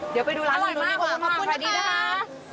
เดี๋ยวไปดูร้านนู้นนี่ขอบคุณนะคะแล้วไปดูร้านนู้นนี่กว่าขอบคุณนะคะ